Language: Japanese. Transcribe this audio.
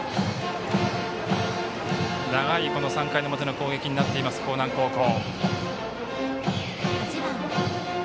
長い３回の表の攻撃になっている興南高校。